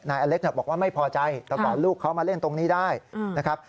อเล็กซ์บอกว่าไม่พอใจแต่ก่อนลูกเขามาเล่นตรงนี้ได้นะครับ